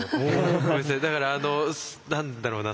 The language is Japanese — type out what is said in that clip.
ごめんなさいだから何だろうな